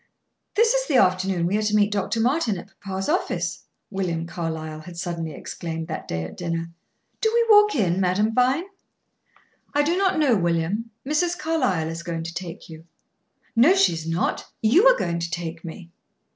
"This is the afternoon we are to meet Dr. Martin at papa's office," William Carlyle had suddenly exclaimed that day at dinner. "Do we walk in, Madame Vine?" "I do not know, William. Mrs. Carlyle is going to take you." "No, she is not; you are going to take me."